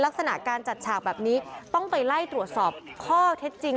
ลักษณะการจัดฉากแบบนี้ต้องไปไล่ตรวจสอบข้อเท็จจริง